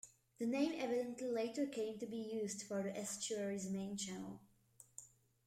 The name evidently later came to be used for the estuary's main channel.